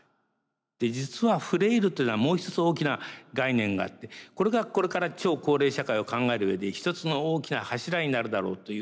実はフレイルというのはもう一つ大きな概念があってこれがこれから超高齢社会を考える上で一つの大きな柱になるだろうという。